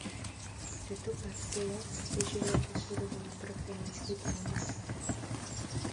Tyto partie se těžily jako surovina pro chemický průmysl.